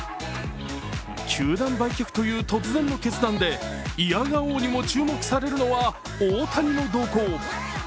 球団売却という突然の決断で否が応にも注目されるのは大谷の動向。